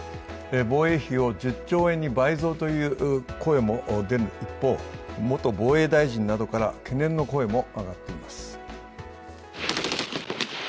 防衛費を１０兆円に倍増という声も出る一方元防衛大臣などから懸念の声も上がっています。